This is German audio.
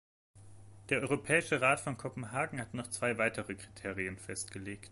Der Europäische Rat von Kopenhagen hat noch zwei weitere Kriterien festgelegt.